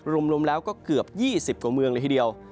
รวมแล้วก็เกือบ๒๐กว่าเมืองเลยทีเดียว